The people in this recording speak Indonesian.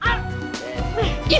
ih ih ih